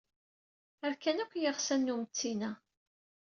Rkan akk yiɣsan n umettin-a.